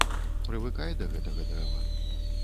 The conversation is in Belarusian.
Прывыкай да гэтага дрэва.